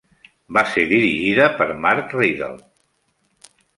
Va ser dirigida per Mark Rydell.